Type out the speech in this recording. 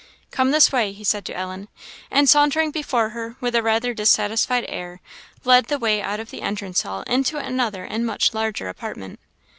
"Come this way," he said to Ellen; and sauntering before her, with a rather dissatisfied air, led the way out of the entrance hall into another and much larger apartment.